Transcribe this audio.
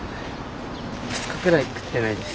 ２日くらい食ってないです。